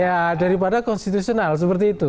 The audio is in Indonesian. ya daripada konstitusional seperti itu